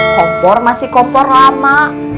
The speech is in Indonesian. kompor masih kompor lama